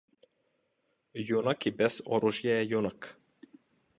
Јунак и без оружје е јунак.